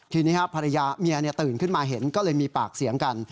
ทีนี้ภรรยาเมียตื่นขึ้นมาเห็นก็เลยมีปากเสียงกัน